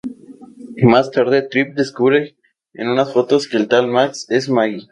Más tarde, Trip descubre en unas fotos que el tal Max es Maggie.